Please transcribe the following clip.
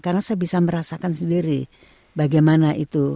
karena saya bisa merasakan sendiri bagaimana itu